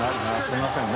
すいません。